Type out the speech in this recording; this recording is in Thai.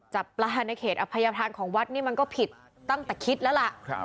จับปลาในเขตอภัยธานของวัดนี่มันก็ผิดตั้งแต่คิดแล้วล่ะ